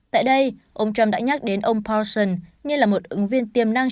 tại đây ông trump đã nhắc đến ông poston như là một ứng viên tiềm năng